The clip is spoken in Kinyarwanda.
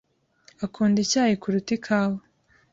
akunda icyayi kuruta ikawa.